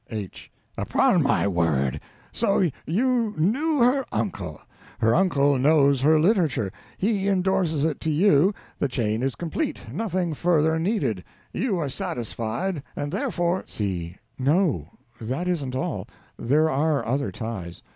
H. Upon my word! So, you knew her uncle; her uncle knows her literature; he endorses it to you; the chain is complete, nothing further needed; you are satisfied, and therefore C._ No_, that isn't all, there are other ties.